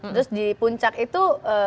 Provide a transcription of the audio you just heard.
terus di puncak itu